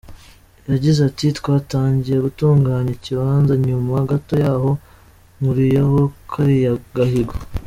Yagize ati “Twatangiye gutunganya ikibanza nyuma gato y’aho nkuriyeho kariya gahigo.